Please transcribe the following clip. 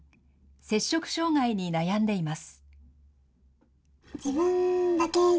摂食障害に悩んでいます。